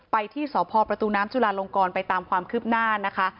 ไปที่สพประตูน้ำจุลาลงกรไปตามความคืบหน้านะคะ